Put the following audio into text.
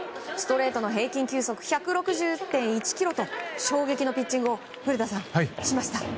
ストレートの平均球速１６０．１キロと衝撃のピッチングをしました。